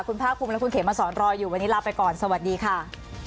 คุณภาคภูมิและคุณเขมมาสอนรออยู่วันนี้ลาไปก่อนสวัสดีค่ะ